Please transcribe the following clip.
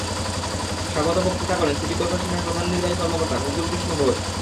স্বাগত বক্তৃতা করেন সিটি করপোরেশনের প্রধান নির্বাহী কর্মকর্তা গোকুল কৃষ্ণ ঘোষ।